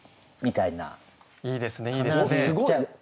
いいですねいいですね。